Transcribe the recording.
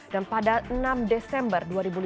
dan pada enam desember dua ribu lima belas